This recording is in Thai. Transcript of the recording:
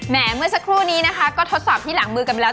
เมื่อสักครู่นี้นะคะก็ทดสอบที่หลังมือกันไปแล้ว